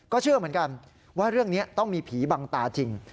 เชื่อเหมือนกันว่าเรื่องนี้ต้องมีผีบังตาจริง